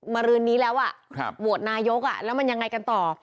รืนนี้แล้วโหวตนายกแล้วมันยังไงกันต่อ